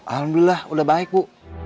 alhamdulillah udah baik bu